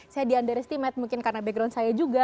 saya di under estimate mungkin karena background saya juga